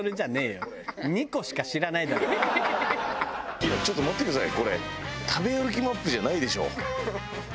いやちょっと待ってくださいこれ。